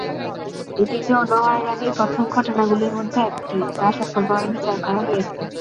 এটি যৌন হয়রানির প্রথম ঘটনাগুলির মধ্যে একটি, যা সফলভাবে বিচার করা হয়েছে।